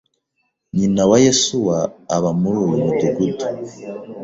Nyina wa Yesuwa aba muri uyu mudugudu.